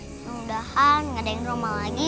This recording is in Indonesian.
mudah mudahan gak ada yang drama lagi